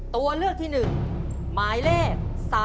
ตัวเลือกที่๑หมายเลข๓๔